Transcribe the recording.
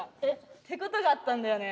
っていうことがあったんだよね。